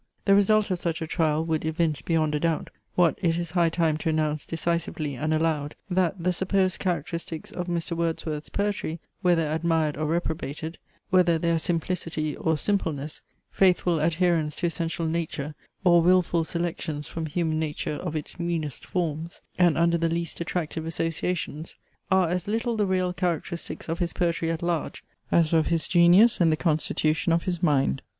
The result of such a trial would evince beyond a doubt, what it is high time to announce decisively and aloud, that the supposed characteristics of Mr. Wordsworth's poetry, whether admired or reprobated; whether they are simplicity or simpleness; faithful adherence to essential nature, or wilful selections from human nature of its meanest forms and under the least attractive associations; are as little the real characteristics of his poetry at large, as of his genius and the constitution of his mind.